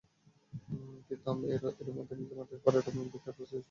কিন্তু এরই মধ্যে নিজেদের মাটিতে পরের অলিম্পিকের প্রস্তুতি শুরু করে দিয়েছে জাপান।